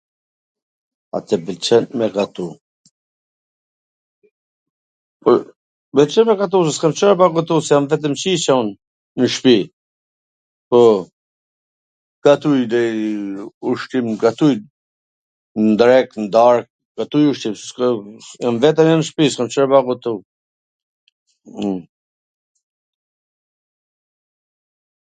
A tw pwlqen me gatu? Mw pwlqen me gatu se s kam Car baj pa gatu, se jam vetwm qyqe un nw shpi, po, gatuj deri... ushqim gatuj n drek, n dark, gatuj ushqim, jam vetwm nw shpi, s kam Ca baj pa gatu...